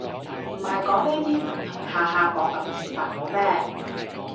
唔係講呢啲唔通下下講感情煩惱咩